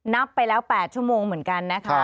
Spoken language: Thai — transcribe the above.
นับไปแล้ว๘ชั่วโมงเหมือนกันนะคะ